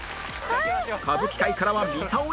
歌舞伎界からは三田親子も